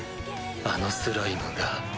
あのスライムが。